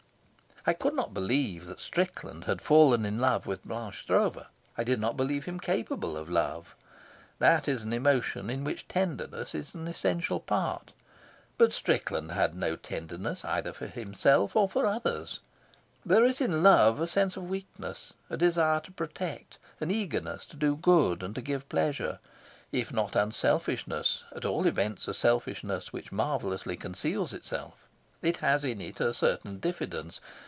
I could not believe that Strickland had fallen in love with Blanche Stroeve. I did not believe him capable of love. That is an emotion in which tenderness is an essential part, but Strickland had no tenderness either for himself or for others; there is in love a sense of weakness, a desire to protect, an eagerness to do good and to give pleasure if not unselfishness, at all events a selfishness which marvellously conceals itself; it has in it a certain diffidence.